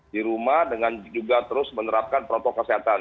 di rumah dengan juga terus menerapkan protokol kesehatan